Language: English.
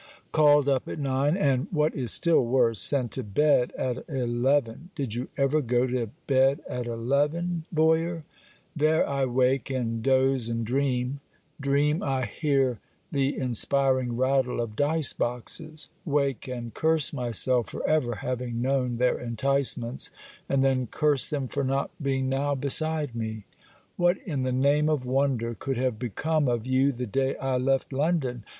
Called up at nine! and, what is still worse, sent to bed at eleven! Did you ever go to bed at eleven, Boyer? There I wake, and dose, and dream dream I hear the inspiring rattle of dice boxes wake, and curse myself for ever having known their enticements, and then curse them for not being now beside me. What, in the name of wonder, could have become of you the day I left London!